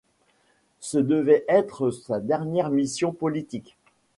Ce devait être sa dernière mission politique.